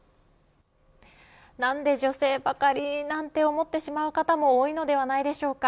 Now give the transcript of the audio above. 何で女性ばかりなんて思ってしまう方も多いのではないでしょうか。